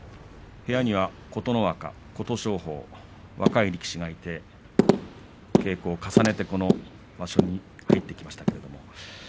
部屋には、琴ノ若琴勝峰、若い力士がいて稽古を重ねて、場所に入ってきました。